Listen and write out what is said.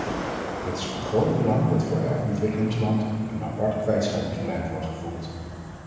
Het is van groot belang dat voor elk ontwikkelingsland een apart kwijtscheldingsbeleid wordt gevoerd.